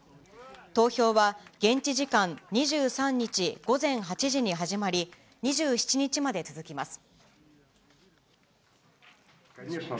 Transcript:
投票は現地時間２３日午前８時に始まり、２７日まで続きます。